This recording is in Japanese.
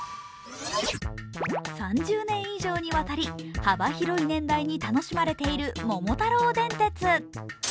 ３０年以上にわたり、幅広い年代に楽しまれている「桃太郎電鉄」